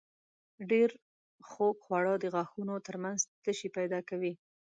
ډېر خوږ خواړه د غاښونو تر منځ تشې پیدا کوي.